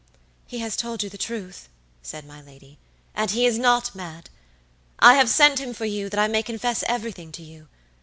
"He has told you the truth," said my lady, "and he is not mad! I have sent him for you that I may confess everything to you.